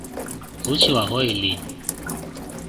好似話可以練